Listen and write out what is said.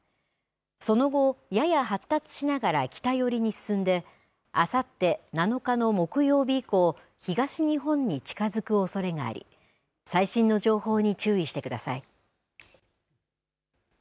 その後、やや発達しながら北寄りに進んで、あさって７日の木曜日以降、東日本に近づくおそれがあり、最新の情報に注意してください。